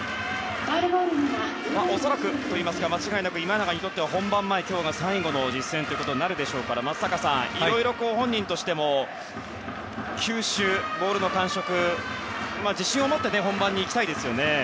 恐らくというか間違いなく今永にとっては本番前、今日が最後の実戦となるでしょうからいろいろ本人としても球種、ボールの感触自信を持って本番に行きたいですよね。